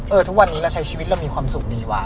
ทุกวันนี้เราใช้ชีวิตเรามีความสุขดีว่ะ